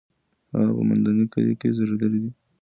هغه په مندني کلي کې زېږېدلې ده.